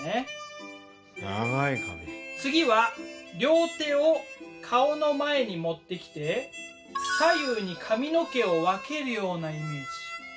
次は両手を顔の前に持ってきて左右に髪の毛を分けるようなイメージ。